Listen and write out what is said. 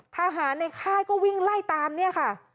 ทหารในค่ายก็วิ่งไล่ตามเนี่ยค่ะ